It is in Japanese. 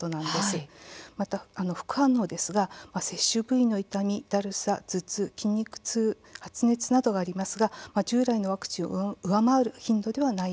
また副反応ですが、接種部位の痛み、だるさ、頭痛、筋肉痛発熱などがありますが従来のワクチンを上回る頻度ではないようです。